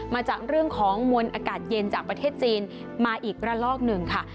มาจากเรื่องของมวลอากาศเย็นจากประเทศจีนมาอีกระลอกหนึ่งค่ะ